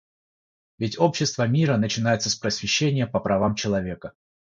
Ведь общество мира начинается с просвещения по правам человека.